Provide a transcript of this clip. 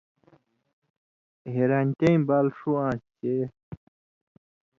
حېرانتیائیں بال ݜُو آن٘سیۡ چےۡ